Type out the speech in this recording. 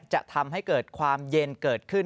จะทำให้เกิดความเย็นเกิดขึ้น